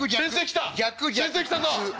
先生来たぞ！